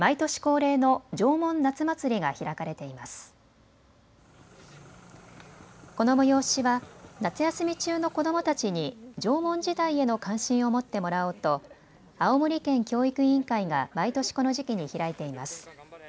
この催しは夏休み中の子どもたちに縄文時代への関心を持ってもらおうと青森県教育委員会が毎年この時期に開いています。